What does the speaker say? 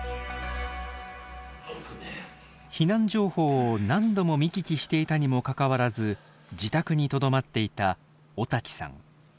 避難情報を何度も見聞きしていたにもかかわらず自宅にとどまっていた小滝さん。